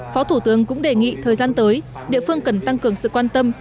phó thủ tướng cũng đề nghị thời gian tới địa phương cần tăng cường sự quan tâm